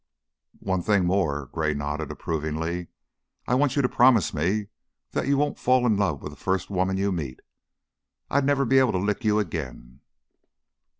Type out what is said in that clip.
"One thing more." Gray nodded approvingly. "I want you to promise me that you won't fall in love with the first woman you meet. I'd never be able to lick you again."